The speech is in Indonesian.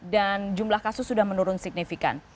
dan jumlah kasus sudah menurun signifikan